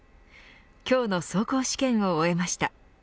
今日の走行試験を終えました。